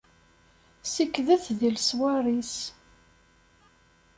Ssekdet di leṣwar-is.